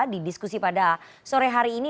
di diskusi pada sore hari ini